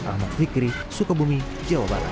ahmad fikri sukabumi jawa barat